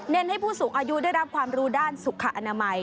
ให้ผู้สูงอายุได้รับความรู้ด้านสุขอนามัย